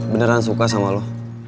beneran suka sama lo